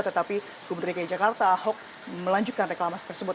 tetapi gubernur dki jakarta ahok melanjutkan reklamasi tersebut